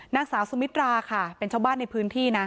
นางสาวสุมิตราค่ะเป็นชาวบ้านในพื้นที่นะ